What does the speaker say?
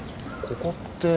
ここって。